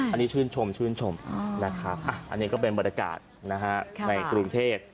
อันนี้ชื่นชมชื่นชมอันนี้ก็เป็นบรรดากาศนะฮะในกรุงเทพฯ